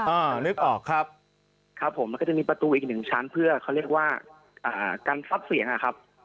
นึกออกครับครับผมมันก็จะมีประตูอีกหนึ่งชั้นเพื่อเขาเรียกว่าอ่ากันซับเสียงอ่ะครับ